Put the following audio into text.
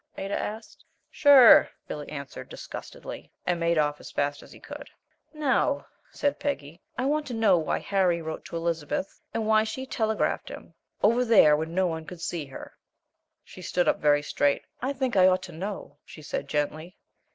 Ada asked. "Sure," Billy answered, disgustedly, and made off as fast as he could. "Now," said Peggy, "I want to know why Harry wrote to Aunt Elizabeth, and why she telegraphed him over there where no one could see her!" She stood up very straight. "I think I ought to know," she said, gently.